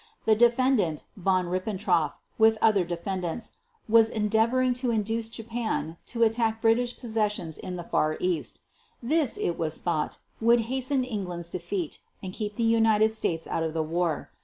the Defendant Von Ribbentrop, with other defendants, was endeavoring to induce Japan to attack British possessions in the Far East. This, it was thought, would hasten England's defeat, and keep the United States out of the war.